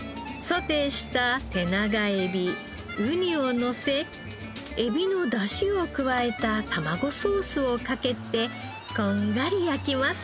ソテーした手長エビウニをのせエビのダシを加えたたまごソースをかけてこんがり焼きます。